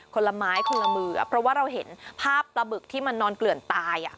คนละไม้คนละมือเพราะว่าเราเห็นภาพปลาบึกที่มันนอนเกลื่อนตายอ่ะ